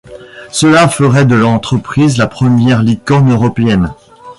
Cela ferait de l'entreprise la première licorne européenne.